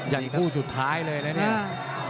อย่างคู่สุดท้ายเลยนะเนี่ย